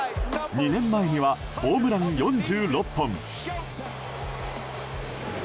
２年前にはホームラン４６本。